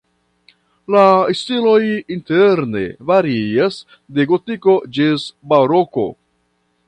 La stiloj interne varias de gotiko ĝis baroko.